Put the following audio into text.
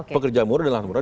pekerja murah dan murah